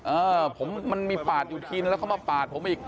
เออผมมันมีปาดอยู่ทีนึงแล้วเขามาปาดผมอีก